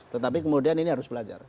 tetapi kemudian ini harus belajar